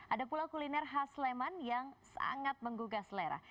ada pula kuliner khas sleman yang sangat menggugah selera